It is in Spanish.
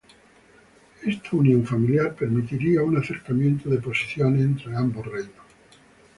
Esta unión familiar permitiría un acercamiento de posiciones entre los reinos.